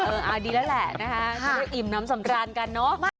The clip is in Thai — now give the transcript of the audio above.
เออดีแล้วแหละนะคะถ้าไม่อิ่มน้ำสำจรรย์กันเนอะ